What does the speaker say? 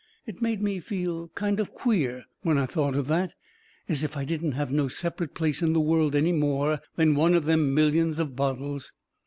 It made me feel kind of queer, when I thought of that, as if I didn't have no separate place in the world any more than one of them millions of bottles.